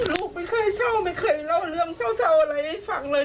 ลูกไม่เคยเศร้าไม่เคยเล่าเรื่องเศร้าอะไรให้ฟังเลย